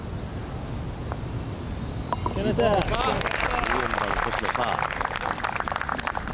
１４番、星野パー。